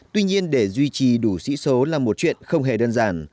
tuy nhiên để duy trì đủ sĩ số là một chuyện không hề đơn giản